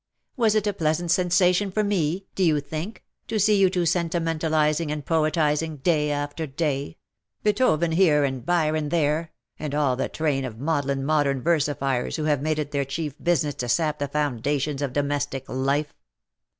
Was it a pleasant sensation for me, do you think, to see you two sentimentalizing and poetizing, day after day — Beethoven here and Byron there, and all the train of maudlin modern versifiers who have made it their chief business to sap the founda tions of domestic life.''''